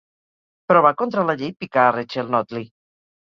Però va contra la llei picar a Rachel Notley.